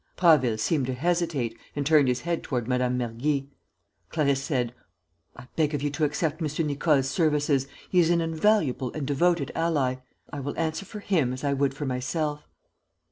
Prasville seemed to hesitate and turned his head toward Mme. Mergy. Clarisse said: "I beg of you to accept M. Nicole's services. He is an invaluable and devoted ally. I will answer for him as I would for myself."